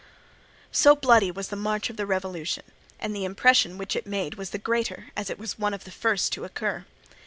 So bloody was the march of the revolution, and the impression which it made was the greater as it was one of the first to occur.